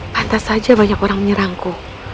pantas saja banyak orang menyerangku